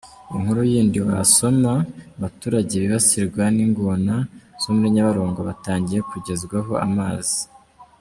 Inkuru yindi wasoma: Abaturage bibasirwaga n’ingona zo muri Nyabarongo batangiye kugezwaho amazi.